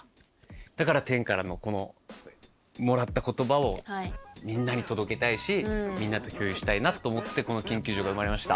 だから天からのこのもらった言葉をみんなに届けたいしみんなと共有したいなと思ってこの研究所が生まれました。